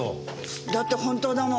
だって本当だもん。